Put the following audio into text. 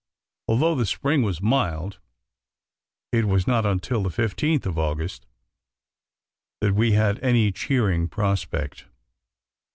Although the spring was mild, it was not until the 15th of August that we had any cheering prospect.